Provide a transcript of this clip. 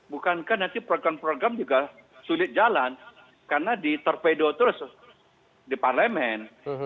bukankah nanti program program juga sulit jalan karena di torpedo terus di parlemen